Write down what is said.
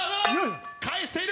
返している！